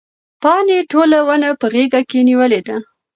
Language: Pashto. پاڼې ټوله ونه په غېږ کې نیولې ده.